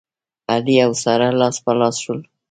علي او ساره لاس په لاس شول.